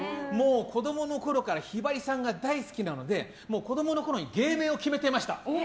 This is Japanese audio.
子供のころからひばりさんが大好きなので子供のころに芸名を決めていました。